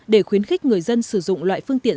để khuyến khích người dân sử dụng loại phương tiện